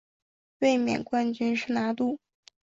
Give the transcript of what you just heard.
卫冕冠军是拿度。